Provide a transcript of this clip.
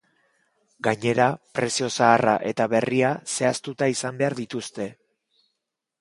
Gainera, prezio zaharra eta berria zehaztuta izan behar dituzte.